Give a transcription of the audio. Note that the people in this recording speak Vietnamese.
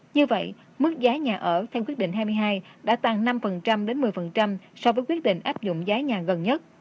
như vậy mức giá nhà ở theo quyết định hai mươi hai đã tăng năm đến một mươi so với quyết định áp dụng giá nhà gần nhất